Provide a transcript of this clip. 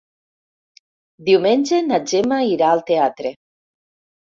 Diumenge na Gemma irà al teatre.